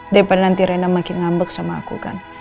daripada nanti rena makin ngambek sama aku kan